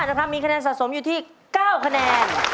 นะครับมีคะแนนสะสมอยู่ที่๙คะแนน